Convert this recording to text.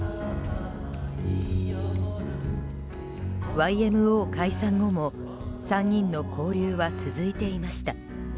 ＹＭＯ解散後も３人の交流は続いていました。